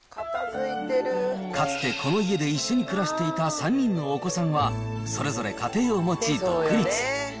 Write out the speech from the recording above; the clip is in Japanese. かつてこの家で一緒に暮らしていた３人のお子さんは、それぞれ家庭を持ち独立。